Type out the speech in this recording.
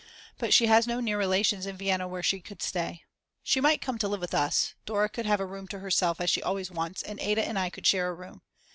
But she has no near relations in Vienna where she could stay. She might come to live with us, Dora could have a room to herself as she always wants, and Ada and I could share a room.